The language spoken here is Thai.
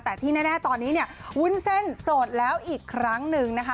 แต่ที่แน่ตอนนี้เนี่ยวุ้นเส้นโสดแล้วอีกครั้งหนึ่งนะคะ